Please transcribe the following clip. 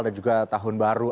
dan juga tahun baru